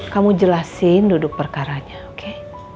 kamu jelasin duduk perkaranya oke